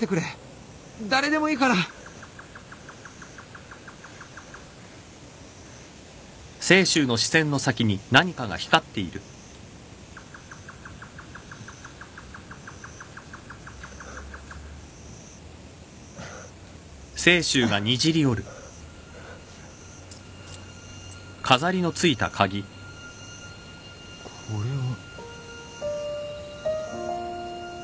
誰でもいいからこれは。